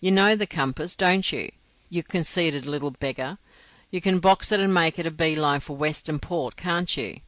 "You know the compass, don't you, you conceited little beggar. You can box it and make a bee line for Western Port, can't you?